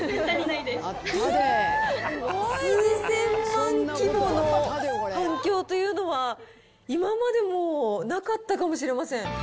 数千万規模の反響というのは、今までもなかったかもしれません。